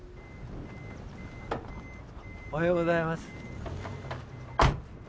おはようございます。